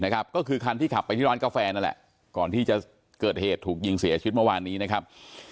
ก็คือคันที่ขับไปที่ร้านกาแฟนั่นแหละก่อนที่จะเกิดเหตุถูกยิงเสียชีวิตเมื่อวานนี้นะครับ